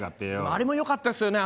あれもよかったですよね